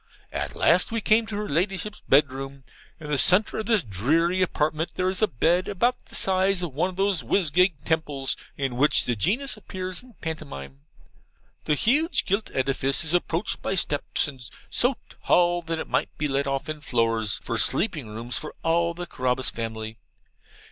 At last we came to her Ladyship's bed room. In the centre of this dreary apartment there is a bed about the size of one of those whizgig temples in which the Genius appears in a pantomime. The huge gilt edifice is approached by steps, and so tall, that it might be let off in floors, for sleeping rooms for all the Carabas family.